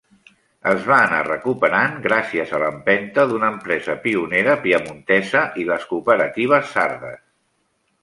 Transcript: Es va anar recuperant gràcies a l'empenta d'una empresa pionera piemontesa i les cooperatives sardes.